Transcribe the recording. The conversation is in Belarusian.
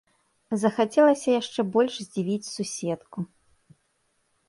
Захацела яшчэ больш здзівіць суседку.